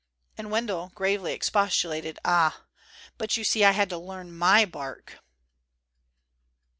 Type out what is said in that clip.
And Wendell gravely expostulated, "Ah, but, you see, I had to learn my bark."